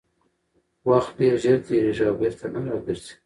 وخت ډېر ژر تېرېږي او بېرته نه راګرځي